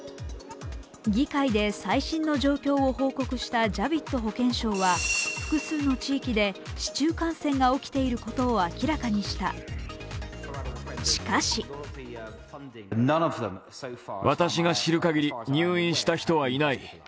議会で最新の状況を報告したジャヴィッド保健相は複数の地域で市中感染が起きていることを明らかにしました。